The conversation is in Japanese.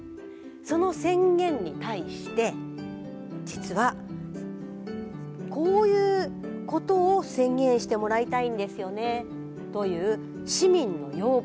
その宣言に対して実はこういうことを宣言してもらいたいんですよねという市民の要望